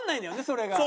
それが。